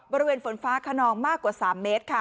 บริเวณฝนฟ้าคนองมากกว่า๓เมตร